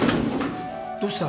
どうした？